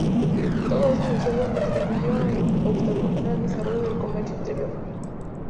Todos estos sucesos contribuyeron a obstaculizar el desarrollo del comercio interior.